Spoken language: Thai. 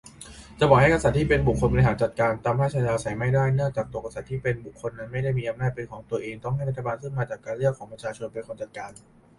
จะปล่อยให้กษัตริย์ที่เป็นบุคคลบริหารจัดการ ตามพระราชอัธยาศัย ไม่ได้ เนื่องจากตัวกษัตริย์ที่เป็นบุคคลนั้นไม่ได้มีอำนาจเป็นของตัวเอง ต้องให้รัฐบาลซึ่งมาจากการเลือกของประชาชนเป็นคนจัดการ